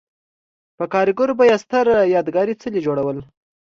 په کارګرو به یې ستر یادګاري څلي جوړول